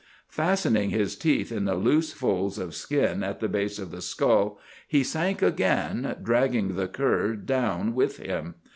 Fastening his teeth in the loose folds of skin at the base of the skull he sank again, dragging the cur down with him.